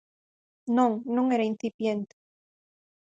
Non, non era incipiente.